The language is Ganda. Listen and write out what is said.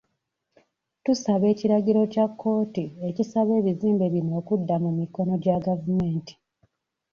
Tusaba ekiragiro kya kkooti ekisaba ebizimbe bino okudda mu mikono gya gavumenti.